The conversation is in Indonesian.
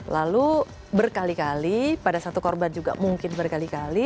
lalu berkali kali pada satu korban juga mungkin berkali kali